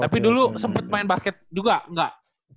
tapi dulu sempet main basket juga gak